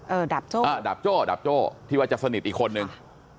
ดาบโจ้อ่าดาบโจ้ดาบโจ้ที่ว่าจะสนิทอีกคนนึง